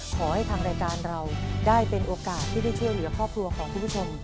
ขอให้ทางรายการเราได้เป็นโอกาสที่ได้ช่วยเหลือครอบครัวของคุณผู้ชม